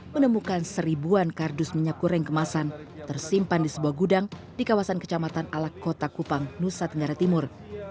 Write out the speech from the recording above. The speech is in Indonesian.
menemukan seribuan kardus minyak goreng kemasan tersimpan di sebuah gudang di kawasan kecamatan alak kota kupang nusa tenggara timur